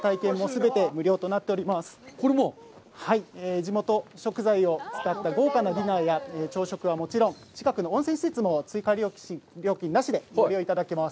地元食材を使った豪華なディナーや朝食はもちろん、近くの温泉施設も追加料金なしでご利用いただけます。